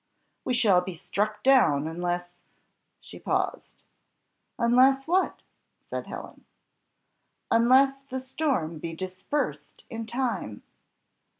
We shall be struck down, unless " she paused. "Unless what?" said Helen. "Unless the storm be dispersed in time."